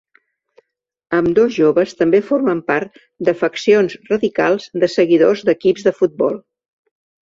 Ambdós joves també formen part de faccions radicals de seguidors d’equips de futbol.